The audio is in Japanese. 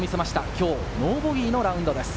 今日、ノーボギーのラウンドです。